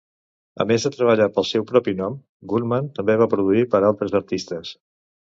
A més de treballar pel seu propi nom, Goodman també va produir per a altres artistes.